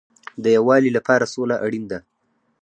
د یووالي لپاره سوله اړین ده